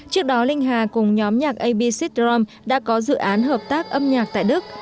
trước đó linh hà cùng nhóm nhạc ab syndrome đã có dự án hợp tác âm nhạc tại đức